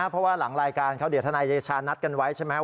เพราะว่าหลังรายการเขาเดี๋ยวทนายเดชานัดกันไว้ใช่ไหม